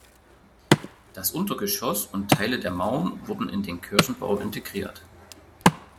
Das Untergeschoss und Teile der Mauern wurden in den Kirchenbau integriert.